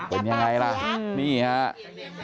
เป็นยังไงล่ะนี่ครับ